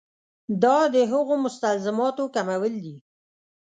دا د هغو مستلزماتو کمول دي.